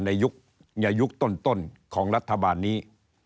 ในยุคต้นของรัฐบาลนี้